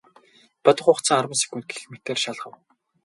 Бодох хугацаа арван секунд гэх мэтээр шалгав.